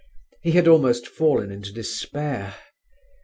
He had almost fallen into despair.